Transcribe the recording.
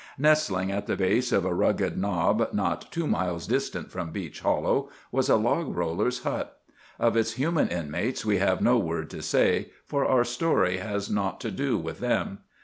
Nestling at the base of a rugged knob not two miles distant from Beech Hollow was a log roller's hut. Of its human inmates we have no word to say, for our story has naught to do with them.